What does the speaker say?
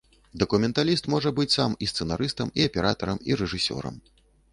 Дакументаліст можа быць сам і сцэнарыстам, і аператарам, і рэжысёрам.